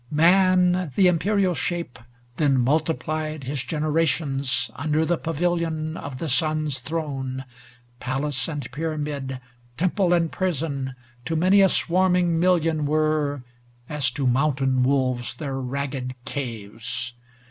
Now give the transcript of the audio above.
Ill Man, the imperial shape, then multiplied His generations under the pavilion Of the Sun's throne; palace and pyramid, Temple and prison, to many a swarming million Weve as to mountain wolves their ragged caves.